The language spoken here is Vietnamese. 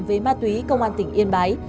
với ma túy công an tỉnh yên bái